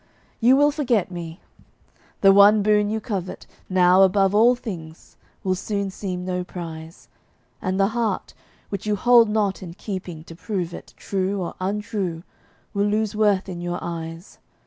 You will forget me. The one boon you covet Now above all things will soon seem no prize; And the heart, which you hold not in keeping to prove it True or untrue, will lose worth in your eyes.